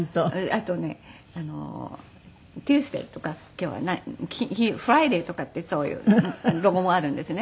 あとね「Ｔｕｅｓｄａｙ」とか今日は「Ｆｒｉｄａｙ」とかってそういうロゴもあるんですね。